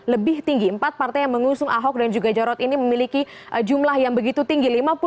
lebih tinggi empat partai yang mengusung ahok dan juga jarot ini memiliki jumlah yang begitu tinggi